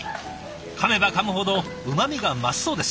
かめばかむほどうまみが増すそうです。